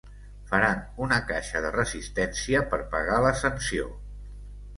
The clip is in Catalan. Faran una caixa de resistència per pagar la sanció